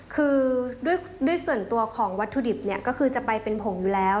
คือด้วยส่วนตัวของวัตถุดิบเนี่ยก็คือจะไปเป็นผงอยู่แล้ว